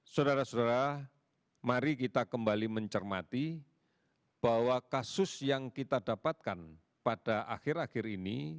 saudara saudara mari kita kembali mencermati bahwa kasus yang kita dapatkan pada akhir akhir ini